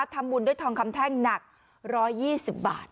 ทำบุญด้วยทองคำแท่งหนัก๑๒๐บาท